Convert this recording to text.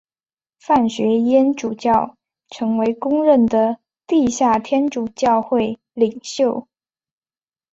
范学淹主教成为公认的地下天主教会领袖。